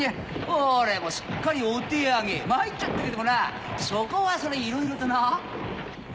俺もすっかりお手上げ参っちゃったけどもなそこはそれいろいろとな。